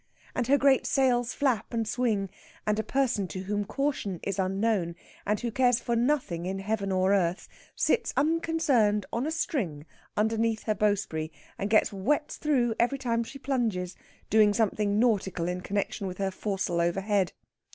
and her great sails flap and swing, and a person to whom caution is unknown, and who cares for nothing in heaven or earth, sits unconcerned on a string underneath her bowsprit, and gets wet through every time she plunges, doing something nautical in connexion with her foresail overhead.